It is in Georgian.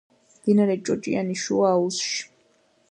მდინარე ჭოჭიანის შუა აუზში.